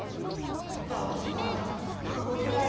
だめだうごけない。